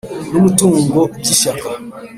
n umutungo by Ishyaka